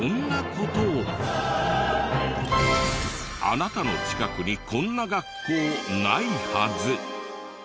あなたの近くにこんな学校ないはず。